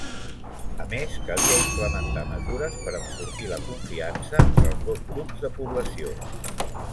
A més, calia implementar mesures per enfortir la confiança entre els dos grups de població.